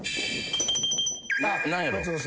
何やろう？